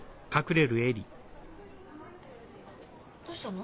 どうしたの？